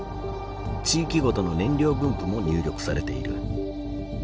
地域ごとの燃料分布も入力されている。